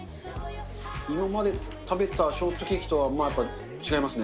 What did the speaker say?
今まで食べたショートケーキとはやっぱ違いますね。